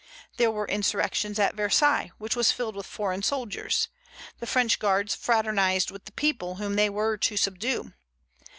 There were insurrections at Versailles, which was filled with foreign soldiers. The French guards fraternized with the people whom they were to subdue.